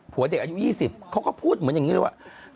เด็กอายุ๒๐เขาก็พูดเหมือนอย่างนี้เลยว่า